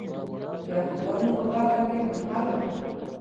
د یهودانو په برخه کې منحل کړه.